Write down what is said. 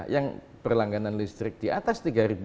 yang perlangganan listrik di atas tiga ribu tiga ratus